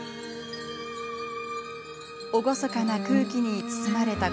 厳かな空気に包まれた